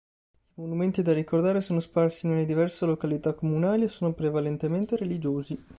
I monumenti da ricordare sono sparsi nelle diverse località comunali e sono prevalentemente religiosi.